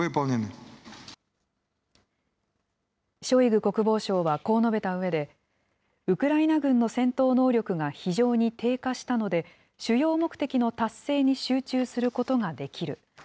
ショイグ国防相はこう述べたうえで、ウクライナ軍の戦闘能力が非常に低下したので、主要目的の達成に集中することができる。